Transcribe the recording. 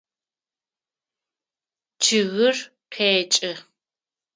Чъыгыр къэкӏы.